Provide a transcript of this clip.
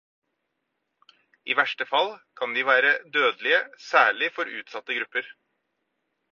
I verste fall kan de være dødelige, særlig for utsatte grupper.